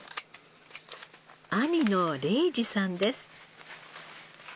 兄の嶺志さんです。